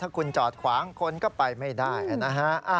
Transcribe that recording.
คุณจอดขวางคนก็ไปไม่ได้นะฮะ